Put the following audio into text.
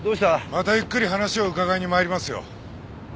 またゆっくり話を伺いに参りますよ。